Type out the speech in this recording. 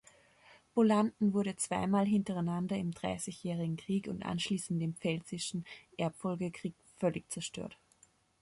Bolanden wurde zweimal hintereinander im Dreißigjährigen Krieg und anschließend im Pfälzischen Erbfolgekrieg völlig zerstört.